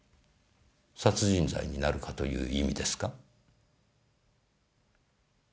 殺人罪になるかという意味ですか？